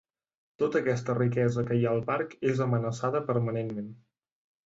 Tota aquesta riquesa que hi ha al parc és amenaçada permanentment.